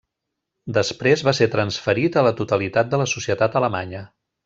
Després va ser transferit a la totalitat de la societat alemanya.